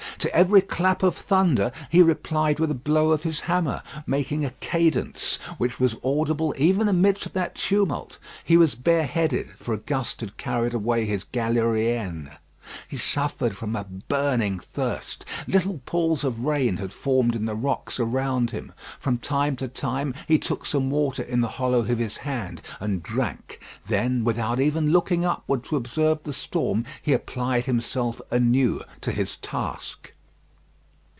To every clap of thunder he replied with a blow of his hammer, making a cadence which was audible even amidst that tumult. He was bareheaded, for a gust had carried away his galérienne. He suffered from a burning thirst. Little pools of rain had formed in the rocks around him. From time to time he took some water in the hollow of his hand and drank. Then, without even looking upward to observe the storm, he applied himself anew to his task.